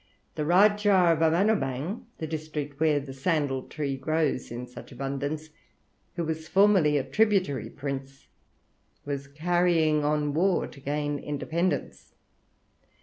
The Rajah of Amanoubang, the district where the sandal tree grows in such abundance, who was formerly a tributary prince, was carrying on war to gain independence.